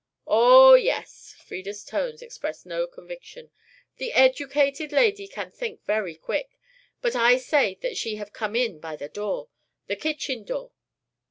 "Oh yes." Frieda's tones expressed no conviction. "The educated lady can think very quick. But I say that she have come in by the door, the kitchen door.